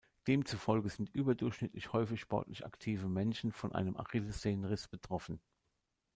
Demzufolge sind überdurchschnittlich häufig sportlich aktive Menschen von einem Achillessehnenriss betroffen.